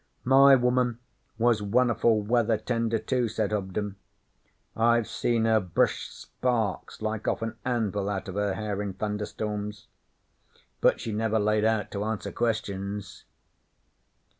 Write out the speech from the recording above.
'My woman was won'erful weather tender, too,' said Hobden. 'I've seen her brish sparks like off an anvil out of her hair in thunderstorms. But she never laid out to answer Questions.'